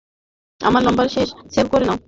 আমার number save করে নাও।